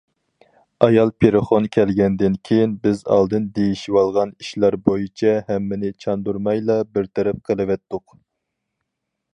ئايال پېرىخون كەلگەندىن كېيىن بىز ئالدىن دېيىشىۋالغان ئىشلار بويىچە ھەممىنى چاندۇرمايلا بىر تەرەپ قىلىۋەتتۇق.